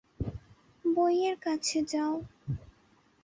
বইয়ের কাছে যাও।